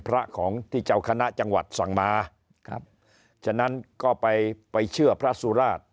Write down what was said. พระของที่เจ้าคณะจังหวัดสั่งมาครับฉะนั้นก็ไปไปเชื่อพระสุราช